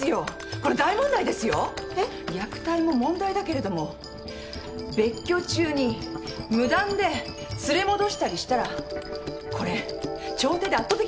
虐待も問題だけれども別居中に無断で連れ戻したりしたらこれ調停で圧倒的に不利ですよ。